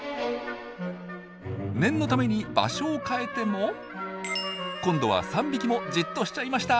念のために場所を変えても今度は３匹もじっとしちゃいました！